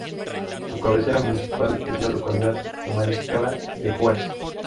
Su cabecera municipal es la localidad de Mariscala de Juárez.